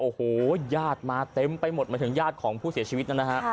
โอ้โหญาติมาเต็มไปหมดหมายถึงญาติของผู้เสียชีวิตนะฮะ